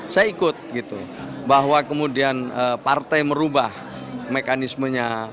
saya ikut gitu bahwa kemudian partai merubah mekanismenya